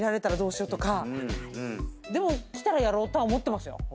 でも来たらやろうとは思ってます。